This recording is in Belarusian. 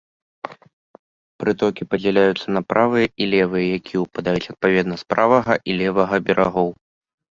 Прытокі падзяляюцца на правыя і левыя, якія ўпадаюць адпаведна з правага і левага берагоў.